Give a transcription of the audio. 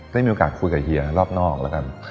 ได้มีโอกาสคุยกับเฮียรอบนอกแล้วกัน